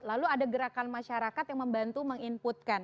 lalu ada gerakan masyarakat yang membantu meng inputkan